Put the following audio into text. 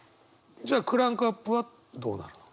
じゃあクランクアップはどうなの？